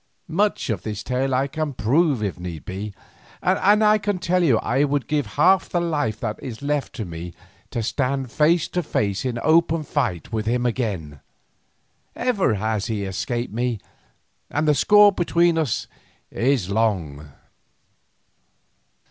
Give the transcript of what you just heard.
"Much of this tale I can prove if need be, and I tell you that I would give half the life that is left to me to stand face to face in open fight with him again. Ever he has escaped me, and the score between us is long."